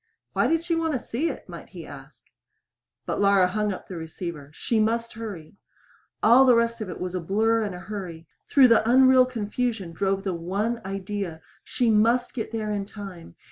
Why did she want to see it might he ask? But Laura hung up the receiver. She must hurry! All the rest of it was a blur and a hurry. Through the unreal confusion drove the one idea she must get there in time!